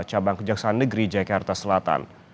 cabang kejaksaan negeri jakarta selatan